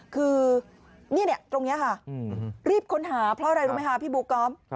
คือนี่ตรงนี้ค่ะรีบค้นหาเพราะอะไรรู้ไหมคะพี่บุ๊กก๊อฟ